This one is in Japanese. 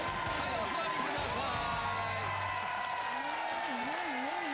お座りください。